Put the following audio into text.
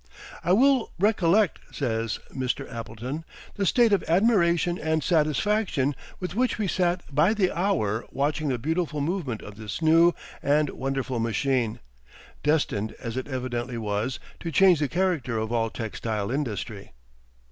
"I well recollect," says Mr. Appleton, "the state of admiration and satisfaction with which we sat by the hour watching the beautiful movement of this new and wonderful machine, destined as it evidently was to change the character of all textile industry."